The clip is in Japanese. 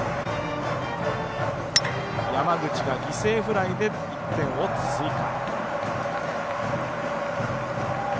山口が犠牲フライで１点を追加。